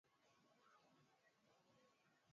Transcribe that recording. ime ime imeongezwa na kuna kula